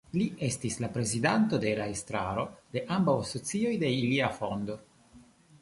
Li estis la prezidanto de la estraro de ambaŭ asocioj de ilia fondo.